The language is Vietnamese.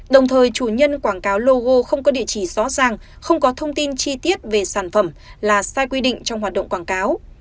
đồng thời chủ nhân quảng cáo logo không có địa chỉ rõ ràng không có thông tin chi tiết về sản phẩm là sai quy định trong hoạt động quảng cáo